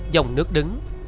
dòng nước đứng